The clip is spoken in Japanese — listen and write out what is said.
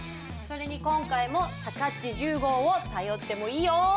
それに今回もさかっち１０号を頼ってもいいよ。